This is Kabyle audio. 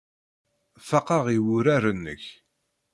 Faqeɣ i wurar-nnek.